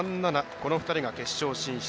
この２人が決勝進出。